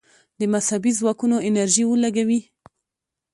د مذهبي ځواکونو انرژي ولګوي.